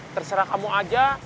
terserah kamu aja